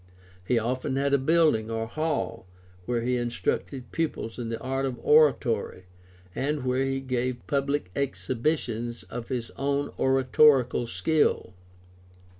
He often had a building or hall where he instructed pupils in the art of oratory and where he gave public exhibitions of his own oratorical skill.